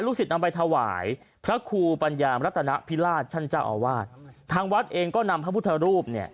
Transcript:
ศิษย์นำไปถวายพระครูปัญญามรัตนพิราชท่านเจ้าอาวาสทางวัดเองก็นำพระพุทธรูปเนี่ย